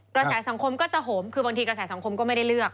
กระแสสังคมก็จะโหมคือบางทีกระแสสังคมก็ไม่ได้เลือก